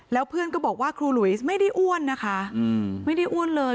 แล้วเพื่อนก็บอกว่าครูหลุยไม่ได้อ้วนนะคะไม่ได้อ้วนเลย